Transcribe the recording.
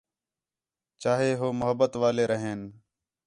چاہے ہو محبت والے رہین